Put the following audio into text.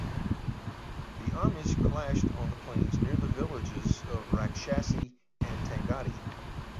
The armies clashed on the plains near the villages of Rakshasi and Tangadi.